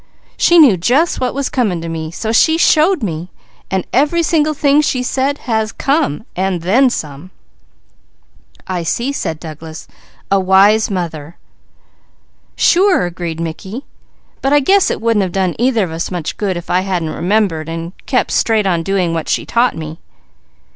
She knew just what was coming to me, so She showed me, and every single thing She said has come, and then some!" "I see!" said Douglas. "A wise mother!" "Sure!" agreed Mickey. "But I guess it wouldn't have done either of us much good if I hadn't remembered and kept straight on doing what she taught me."